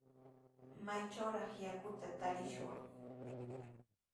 ¿Maytrawraq yakuta tarishwan?